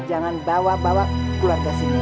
jangan bawa bawa keluarga sini